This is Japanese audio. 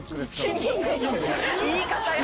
言い方が。